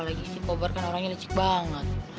kalau gizi kobor kan orangnya lecik banget